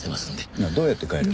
なあどうやって帰る？